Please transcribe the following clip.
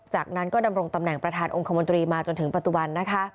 จากนั้นก็ดำรงตำแหน่งประธานองคมนตรีมาจนถึงปัจจุบันนะคะ